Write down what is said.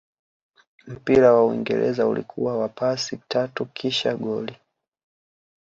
mpira wa uingereza ulikuwa wa pasi tatu kisha goli